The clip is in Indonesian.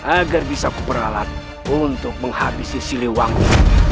agar bisa kuperalat untuk menghabisi siliwangi